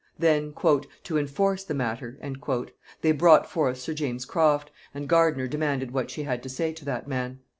Then, "to enforce the matter," they brought forth sir James Croft, and Gardiner demanded what she had to say to that man?